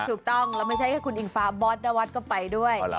ถูกต้องแล้วไม่ใช่แค่คุณอิงฟ้าบอสนวัฒน์ก็ไปด้วย